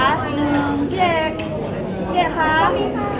ขอบคุณหนึ่งนะคะขอบคุณหนึ่งนะคะ